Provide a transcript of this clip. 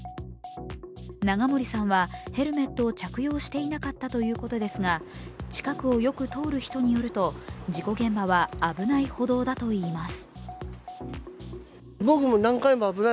永森さんは、ヘルメットを着用していなかったということですが、近くをよく通る人によると事故現場は危ない歩道だといいます。